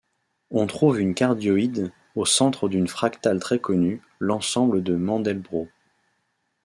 On trouve une cardioïde au centre d'une fractale très connue, l'ensemble de Mandelbrot.